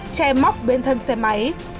che móc bên thân xe máy